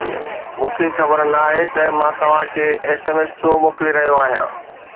مون کي خبر ناهي ته مان توهان کي ايس ايم ايس ڇو موڪلي رهيو آهيان